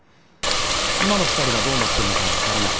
今の２人がどうなってんのかは分からない。